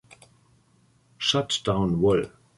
Shut Down Vol.